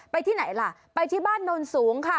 ที่ไหนล่ะไปที่บ้านโนนสูงค่ะ